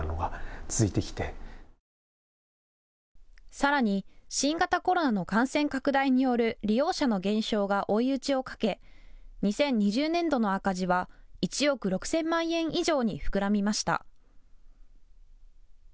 さらに新型コロナの感染拡大による利用者の減少が追い打ちをかけ２０２０年度の赤字は１億６０００万円以上に膨らみました。